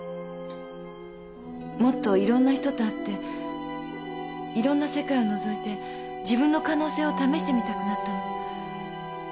もっといろんな人と会っていろんな世界をのぞいて自分の可能性を試してみたくなったの。